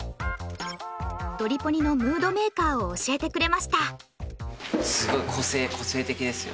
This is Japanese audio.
ドリポニのムードメーカーを教えてくれましたすごい個性的ですよ